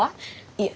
いえ。